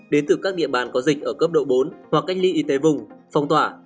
đến từ các địa bàn có dịch ở cấp độ bốn hoặc cách ly y tế vùng phong tỏa